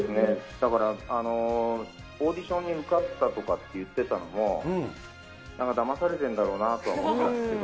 だから、オーディションに受かったとかって言ってたのも、なんかだまされてるんだろうなとは思ったんですけど。